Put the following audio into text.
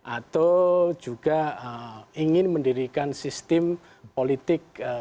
atau juga ingin mendirikan sistem politik